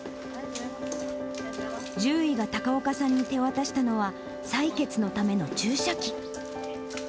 獣医が高岡さんに手渡したのは、採血のための注射器。